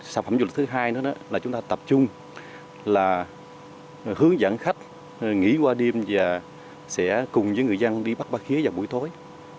sản phẩm du lịch thứ hai là chúng ta tập trung hướng dẫn khách nghỉ qua đêm và cùng với người dân đi bắt bà khía vào buổi tối